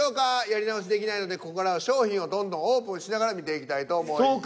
やり直しできないのでここからは商品をどんどんオープンしながら見ていきたいと思います。